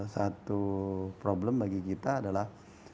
satu problem bagi kita adalah